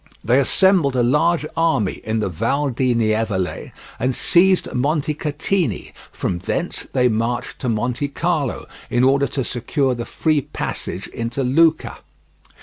They assembled a large army in the Val di Nievole, and seized Montecatini; from thence they marched to Montecarlo, in order to secure the free passage into Lucca.